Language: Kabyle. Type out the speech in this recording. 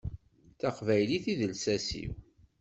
D taqbaylit i d lsas-iw.